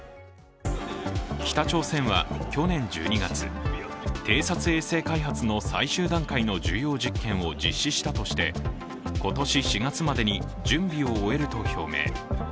北朝鮮は去年１２月偵察衛星開発の最終段階の重要実験を実施したとして今年４月までに準備を終えると表明。